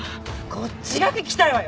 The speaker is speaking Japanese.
こっちが聞きたいわよ！